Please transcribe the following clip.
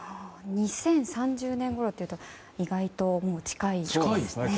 ２０３０年ごろっていうと意外ともう近いですね。